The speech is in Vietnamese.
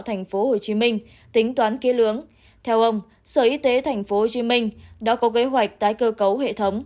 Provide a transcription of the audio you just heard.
tp hcm tính toán kỹ lưỡng theo ông sở y tế tp hcm đã có kế hoạch tái cơ cấu hệ thống